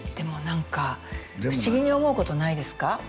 もなんか不思議に思うことないですか？